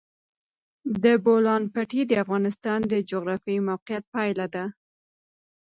د بولان پټي د افغانستان د جغرافیایي موقیعت پایله ده.